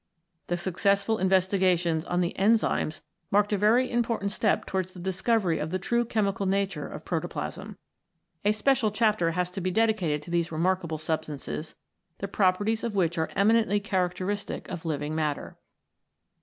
The successful investigations 18 PROTOPLASM on the Enzymes marked a very important step towards the discovery of the true chemical nature of protoplasm. A special chapter has to be dedicated to these remarkable substances, the properties of which are eminently characteristic of living matter.